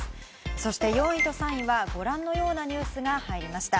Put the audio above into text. そして４位と３位はご覧のようなニュースが入りました。